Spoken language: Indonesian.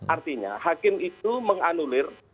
artinya hakim itu menganulir